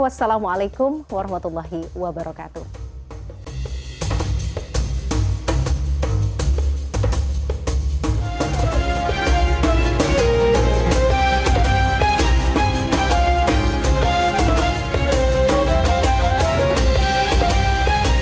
wassalamualaikum warahmatullahi wabarakatuh